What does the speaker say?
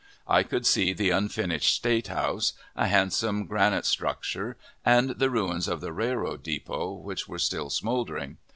I could see the unfinished State House, a handsome granite structure, and the ruins of the railroad depot, which were still smouldering.